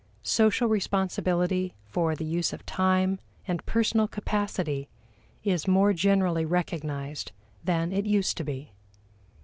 Social responsibility for the use of time and personal capacity is more generally recognized than it used to be.